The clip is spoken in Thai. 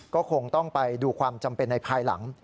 ก็คงต้องไปดูความจำเป็นในภายหลัง